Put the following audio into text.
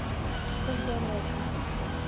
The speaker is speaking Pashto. خپل ځان وژني.